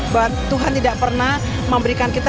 bahwa tuhan tidak pernah memberikan kita